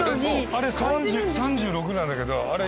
あれ３６なんだけどあれ